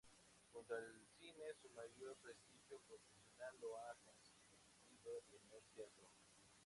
Junto al cine, su mayor prestigio profesional lo ha conseguido en el teatro.